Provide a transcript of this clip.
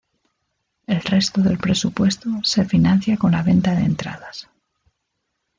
El resto del presupuesto se financia con la venta de entradas.